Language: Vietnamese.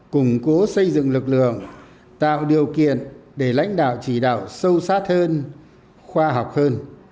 củng cố xây dựng lực lượng tạo điều kiện để lãnh đạo chỉ đạo sâu sát hơn khoa học hơn